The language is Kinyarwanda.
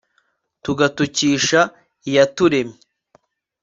tugatukisha iyaturemye